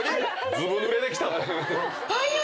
ずぶぬれできたと。